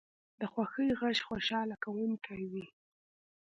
د خوښۍ غږ خوشحاله کوونکی وي